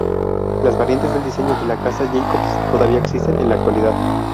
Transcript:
Las variantes del diseño de la casa Jacobs todavía existen en la actualidad.